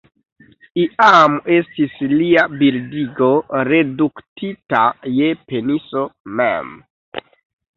Iam estis lia bildigo reduktita je peniso mem.